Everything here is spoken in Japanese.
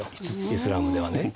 イスラームではね。